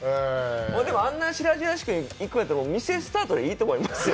でもあんな白々しく行くんだったら店スタートでいいと思いますよ。